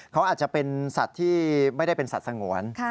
เขาอาจจะเป็นสัตว์ที่ไม่ได้เป็นสัตว์สงวน